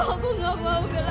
aku gak mau bella